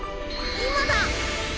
今だ！